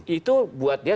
itu buat dia